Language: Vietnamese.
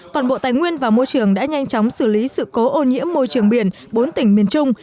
còn bộ tài nguyên và môi trường đã nhanh chóng xử lý sự cố ô nhiễm môi trường biển bốn tỉnh miền trung